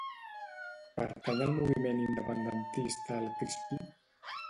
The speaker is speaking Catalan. Pertany al moviment independentista el Crispí?